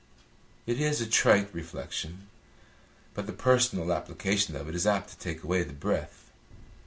It is a trite reflection, but the personal application of it is apt to take away the breath.